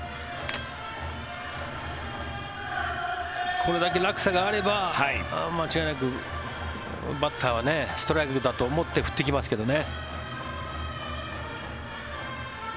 これだけ落差があれば間違いなくバッターはストライクだと思って振ってきますけどね。